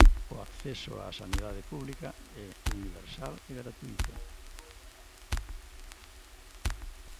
O acceso á sanidade pública é universal e gratuíto.